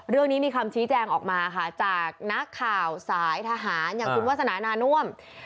เรื่องนี้มีคำชี้แจงออกมาค่ะจากนักข่าวสายทหารอย่างคุณวาสนานาน่วม